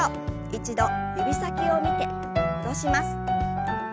一度指先を見て戻します。